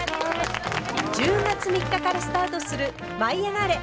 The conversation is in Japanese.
１０月３日からスタートする「舞いあがれ！」。